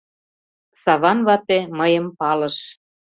Саван вате мыйым палыш.